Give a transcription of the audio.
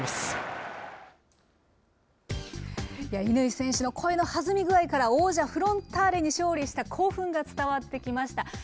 乾選手の声のはずみ具合から、王者、フロンターレに勝利した興奮が伝わってきました。